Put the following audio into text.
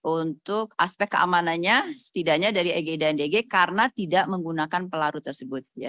untuk aspek keamanannya setidaknya dari eg dan dg karena tidak menggunakan pelarut tersebut